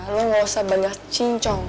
lo gak usah banyak cincong